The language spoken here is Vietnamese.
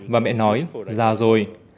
và mẹ nói già rồi